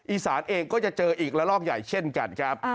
อีสานเองก็จะเจออีกละลอกใหญ่เช่นกันครับ